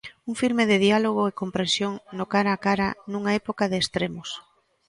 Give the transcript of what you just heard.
Un filme de diálogo e compresión no cara a cara nunha época de extremos.